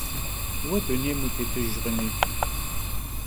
Vue dunêym vutêtıjjkhımi?